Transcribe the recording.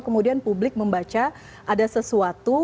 kemudian publik membaca ada sesuatu